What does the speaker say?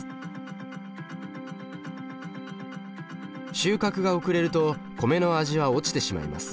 収穫が遅れると米の味は落ちてしまいます。